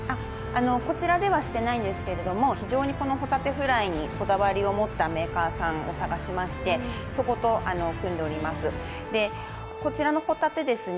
こちらではしてないんですけれども非常にこのホタテフライにこだわりを持ったメーカーさんを探しましてそこと組んでおりますでこちらのホタテですね